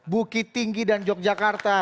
bukit tinggi dan yogyakarta